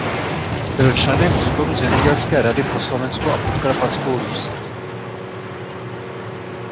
Byl členem výboru Zemědělské rady pro Slovensko a Podkarpatskou Rus.